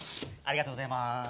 ありがとうございます。